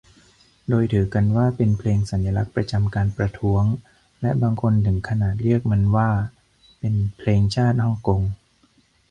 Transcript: โดยถือกันว่าเป็นเพลงสัญลักษณ์ประจำการประท้วง และบางคนถึงขนาดเรียกมันว่าเป็น "เพลงชาติฮ่องกง"